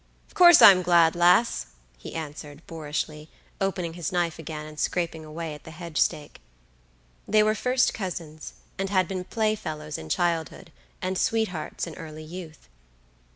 "Of course I'm glad, lass," he answered, boorishly, opening his knife again, and scraping away at the hedge stake. They were first cousins, and had been play fellows in childhood, and sweethearts in early youth.